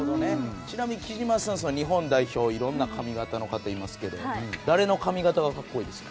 ちなみに貴島さん日本代表色んな髪形の方いますけど誰の髪形がかっこいいですか？